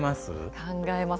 考えます。